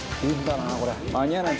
「間に合わない